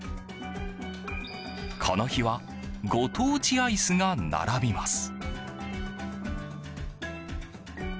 この日はご当地アイスが並びます。